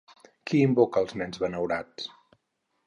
Qui invoca els nens benaurats?